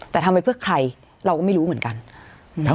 แต่ทำไปเพื่อใครเราก็ไม่รู้เหมือนกัน